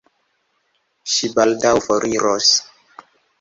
Ŝi baldaŭ foriros.